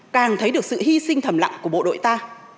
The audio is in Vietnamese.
càng thấy được sự hy sinh thầm lặng của bộ đội ta